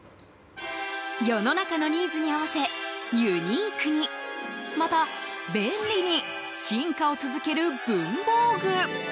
世の中のニーズに合わせユニークにまた、便利に進化を続ける文房具。